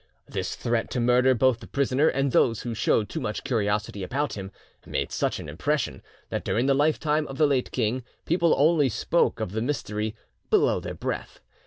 This threat to murder both the prisoner and those who showed too much curiosity about him made such an impression, that during the lifetime of the late king people only spoke of the mystery below their breath.